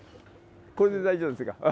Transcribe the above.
これで大丈夫ですか？